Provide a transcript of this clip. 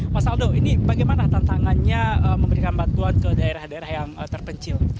mas aldo ini bagaimana tantangannya memberikan bantuan ke daerah daerah yang terpencil